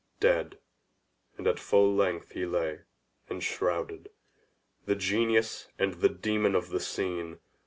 Dead, and at full length he lay, enshrouded; the genius and the demon of the scene.